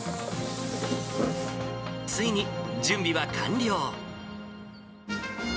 ついに準備は完了。